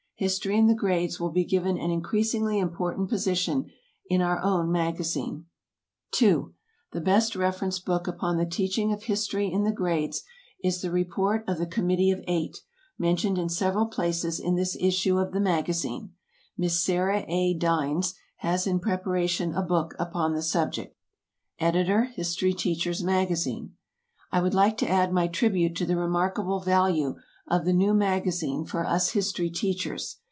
History in the grades will be given an increasingly important position in our own magazine. (2) The best reference book upon the teaching of history in the grades is the report of the Committee of Eight, mentioned in several places in this issue of the MAGAZINE. Miss Sarah A. Dynes has in preparation a book upon the subject. Editor HISTORY TEACHER'S MAGAZINE. I would like to add my tribute to the remarkable value of the new MAGAZINE for us history teachers.